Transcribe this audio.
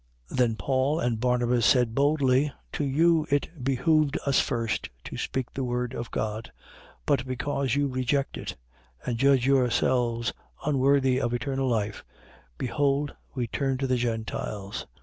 13:46. Then Paul and Barnabas said boldly: To you it behoved us first to speak the word of God: but because you reject it and judge yourselves unworthy of eternal life, behold we turn to the Gentiles.